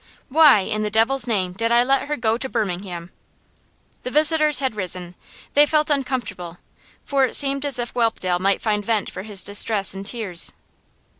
Why, in the devil's name, did I let her go to Birmingham?' The visitors had risen. They felt uncomfortable, for it seemed as if Whelpdale might find vent for his distress in tears.